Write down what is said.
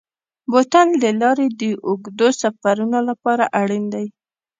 بوتل د لارې د اوږدو سفرونو لپاره اړین دی.